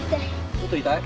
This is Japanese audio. ちょっと痛い？